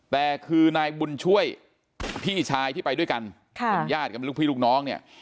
แต่คือนายบุญช่วยพี่ชายที่ไปด้วยกันค่ะพี่รุ่นน้อง